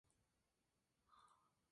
El interior es extremadamente exuberante.